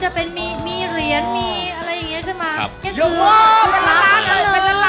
จะเป็นมีเหรียญมีอะไรอย่างนี้ขึ้นมา